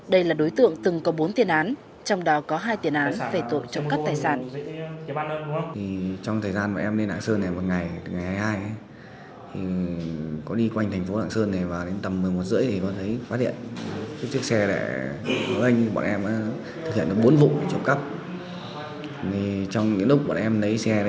đây là đối tượng từng có bốn tiền án trong đó có hai tiền án về tội trộm cắp tài sản